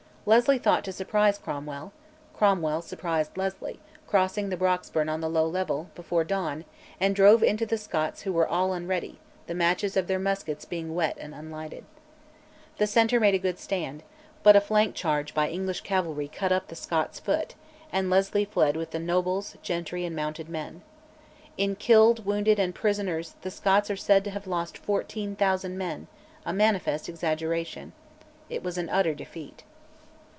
Leslie thought to surprise Cromwell; Cromwell surprised Leslie, crossed the Broxburn on the low level, before dawn, and drove into the Scots who were all unready, the matches of their muskets being wet and unlighted. The centre made a good stand, but a flank charge by English cavalry cut up the Scots foot, and Leslie fled with the nobles, gentry, and mounted men. In killed, wounded, and prisoners the Scots are said to have lost 14,000 men, a manifest exaggeration. It was an utter defeat.